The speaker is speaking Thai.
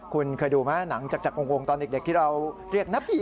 คุณเคยดูไหมหลังจากวงตอนเด็กที่เราเรียกนะพี่